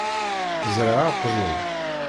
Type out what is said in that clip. Ẓṛiɣ aqjun.